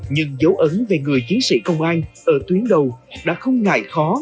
nhưng dấu ấn về người chiến sĩ công an ở tuyến đầu đã không ngại khó